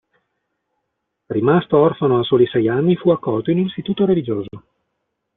Rimasto orfano a soli sei anni, fu accolto in un istituto religioso.